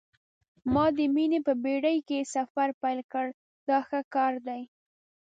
ما د مینې په بېړۍ کې سفر پیل کړ دا ښه کار دی.